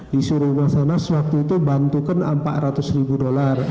disuruh mas anas waktu itu bantukan empat ratus ribu dolar